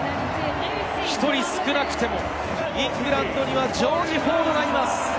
１人少なくてもイングランドにはジョージ・フォードがいます。